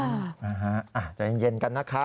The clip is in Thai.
อืมใจเย็นกันนะครับ